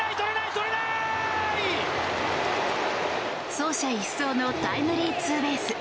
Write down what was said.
走者一掃のタイムリーツーベース。